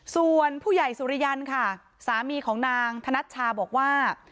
ส่วนผู้ใหญ่สุริยันค่ะสามีของนางธนัชชาบอกว่า